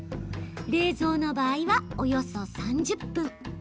冷蔵の場合は、およそ３０分。